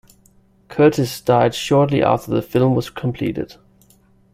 Curtiz died shortly after the film was completed.